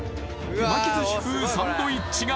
手巻き寿司風サンドイッチが